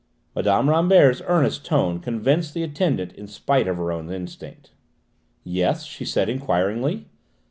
Mme. Rambert's earnest tone convinced the attendant in spite of her own instinct. "Yes?" she said enquiringly.